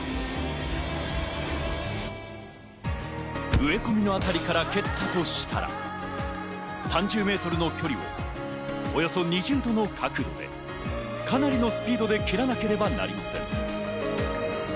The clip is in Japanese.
植え込みのあたりから蹴ったとしたら、３０ｍの距離をおよそ２０度の角度でかなりのスピードで蹴らなければなりません。